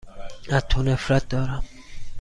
از تو نفرت دارم.